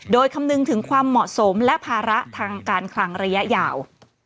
โดยคำนึงถึงความเหมาะสมและภาระทางการคลังระยะยาว